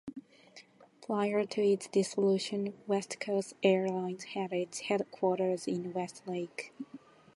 Prior to its dissolution, West Coast Airlines had its headquarters in Westlake.